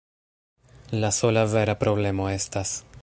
La sola vera problemo estas...